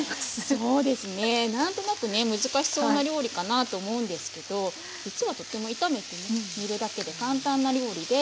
そうですね何となくね難しそうな料理かなと思うんですけど実はとても炒めて煮るだけで簡単な料理で。